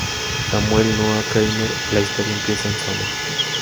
Samuel Noah Kramer, "la historia empieza en Sumer".